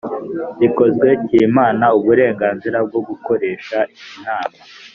rikozwe, kimana uburenganzira bwo gukoresha inama